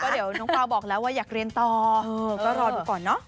เดี๋ยวน้องเปล่าบอกแล้วว่าอยากเรียนต่อก็รอดูก่อนเนอะ